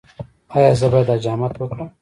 ایا زه باید حجامت وکړم؟